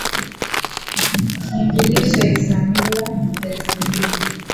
kiingilio cha isamila ni elfu mbili